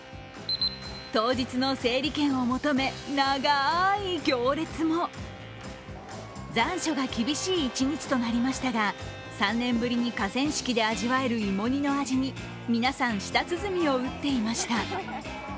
当日の整理券を求め、長い行列も残暑が厳しい一日となりましたが、３年ぶりに河川敷で味わえる芋煮の味に皆さん舌鼓を打っていました。